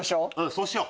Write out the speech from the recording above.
そうしよう。